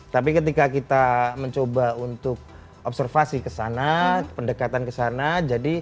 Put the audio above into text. tapi ketika kita mencoba untuk observasi kesana pendekatan kesana